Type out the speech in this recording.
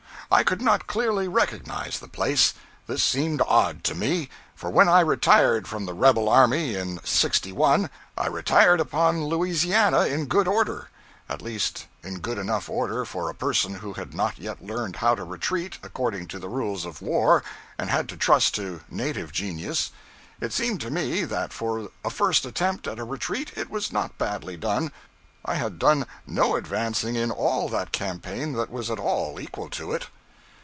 I could not clearly recognize the place. This seemed odd to me, for when I retired from the rebel army in '61 I retired upon Louisiana in good order; at least in good enough order for a person who had not yet learned how to retreat according to the rules of war, and had to trust to native genius. It seemed to me that for a first attempt at a retreat it was not badly done. I had done no advancing in all that campaign that was at all equal to it.